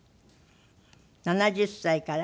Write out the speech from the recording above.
『７０歳から』？